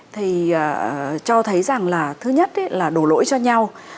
thì cho thấy rằng là thứ nhất là đổ lỗi cho nhau